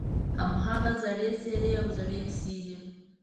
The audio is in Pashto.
هماغه زړې څېرې او زړې کیسې دي.